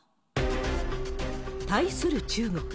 対する中国。